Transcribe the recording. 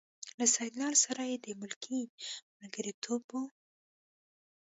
له سیدلال سره یې د ملکۍ ملګرتوب و.